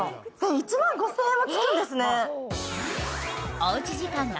１万５０００円もつくんですね。